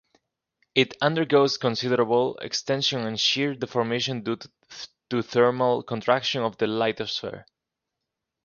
It undergoes considerable extension and shear deformation due to thermal contraction of the lithosphere.